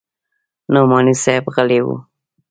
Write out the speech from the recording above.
نعماني صاحب غلى و.